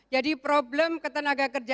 jadi problem ketenaga kerja